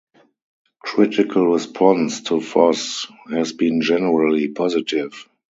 Critical response to Voss has been generally positive.